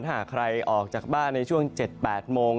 หากใครออกจากบ้านในช่วง๗๘โมง